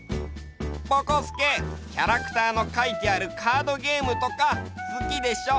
ぼこすけキャラクターのかいてあるカードゲームとかすきでしょ？